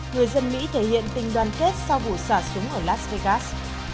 người dân mỹ thể hiện tình đoàn kết sau vụ sả súng ở las vegas